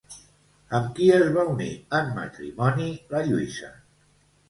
Amb qui es va unir en matrimoni la Lluïsa?